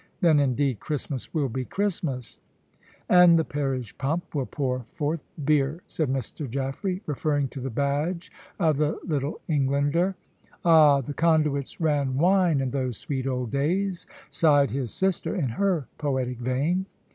Then, indeed, Christmas will be Christmas." "And the parish pump will pour forth beer," said Mr. Jaffray, referring to the badge of the Little Englander. "Ah, the conduits ran wine in those sweet old days," sighed his sister, in her poetic vein.